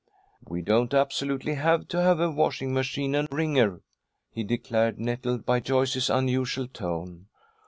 "We don't absolutely have to have a washing machine and wringer," he declared, nettled by Joyce's unusual tone.